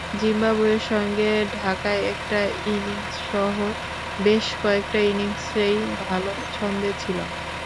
জিম্বাবুয়ের সঙ্গে ঢাকায় একটা ইনিংসসহ বেশ কয়েকটা ইনিংসেই ভালো ছন্দে ছিলাম।